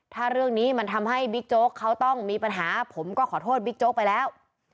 ถ้าเรื่องนี้มันทำให้บิ๊กโจ๊กเขาต้องมีปัญหาผมก็ขอโทษบิ๊กโจ๊กไปแล้ว